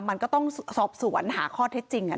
มันก็ต้องสอบสวนหาข้อเท็จจริง